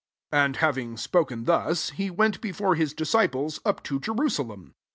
28 And having spoken thus, he went before his diacifiles up to Jerusalem.